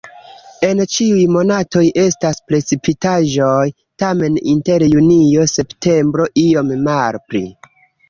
En ĉiuj monatoj estas precipitaĵoj, tamen inter junio-septembro iom malpli.